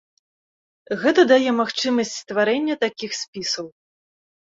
Гэта дае магчымасць стварэння такіх спісаў.